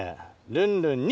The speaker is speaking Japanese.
ルンルン２！